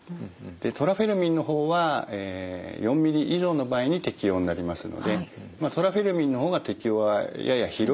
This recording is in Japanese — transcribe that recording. トラフェルミンの方は４ｍｍ以上の場合に適応になりますのでまあトラフェルミンの方が適応がやや広いということになります。